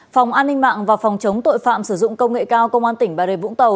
phòng an ninh mạng và phòng chống tội phạm sử dụng công nghệ cao công an tỉnh bà rê vũng tàu